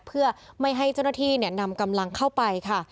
เพื่อไม่ให้เจ้าหน้าที่นำกำลังเข้าไปค่ะ